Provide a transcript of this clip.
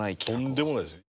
とんでもないですよ。